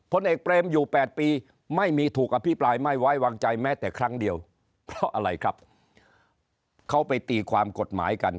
ผลเอกเปรมอยู่๘ปีไม่มีถูกอภิปรายไม่ไว้วางใจแม้แต่ครั้งเดียวเพราะอะไรครับเขาไปตีความกฎหมายกัน